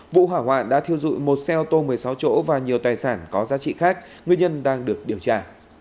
vụ hỏa hoạn đã thiêu dụi một xe ô tô một mươi sáu chỗ và nhiều tài sản có giá trị khác nguyên nhân đang được điều tra